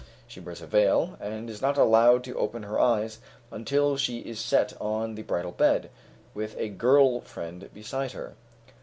She wears a veil, and is not allowed to open her eyes until she is set on the bridal bed, with a girl friend beside her.